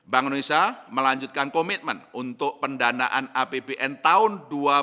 bank indonesia melanjutkan komitmen untuk pendanaan apbn tahun dua ribu dua puluh